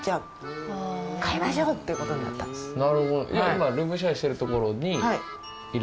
今ルームシェアしてるところにいると。